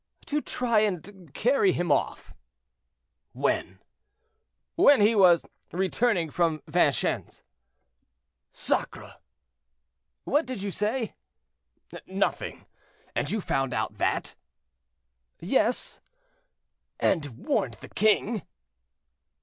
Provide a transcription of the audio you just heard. "To try and carry him off." "When?" "When he was returning from Vincennes." "Sacre!" "What did you say?" "Nothing. And you found out that?" "Yes." "And warned the king?"